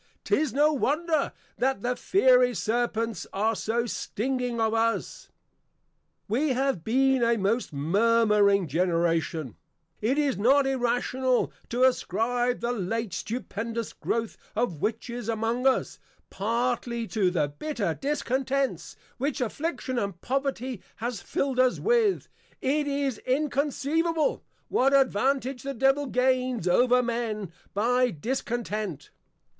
'Tis no wonder, that the fiery Serpents are so Stinging of us; We have been a most Murmuring Generation. It is not Irrational, to ascribe the late Stupendious growth of Witches among us, partly to the bitter discontents, which Affliction and Poverty has fill'd us with: it is inconceivable, what advantage the Devil gains over men, by discontent.